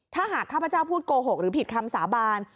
ถ้าหากข้าพเจ้าพูดโกหกหรือผิดคำสาบาน